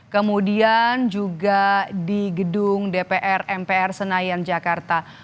kemudian juga di gedung dpr mpr senayan jakarta